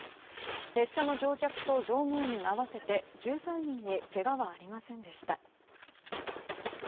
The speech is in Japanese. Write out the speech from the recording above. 列車の乗客と乗務員合わせて１３人にけがはありませんでした。